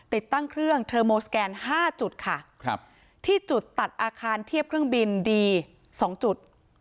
ติดตั้งเครื่องเทอร์โมสแกน๕จุดค่ะครับที่จุดตัดอาคารเทียบเครื่องบินดี๒จุด